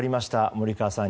森川さん